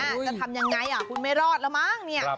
จะทำยังไงคุณไม่รอดแล้วมั้งเนี่ย